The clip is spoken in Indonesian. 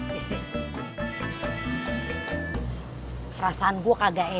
ciri khas untuk diri